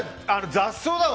雑草だわ。